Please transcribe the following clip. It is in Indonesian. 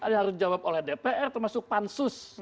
yang harus dijawab oleh dpr termasuk pansus